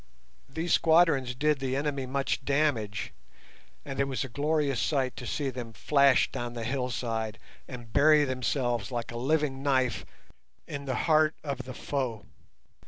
These squadrons did the enemy much damage, and it was a glorious sight to see them flash down the hillside, and bury themselves like a living knife in the heart of the foe.